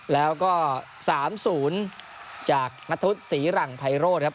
แล้วก็๓๐จากนัทธุศรีหลังไพโรธครับ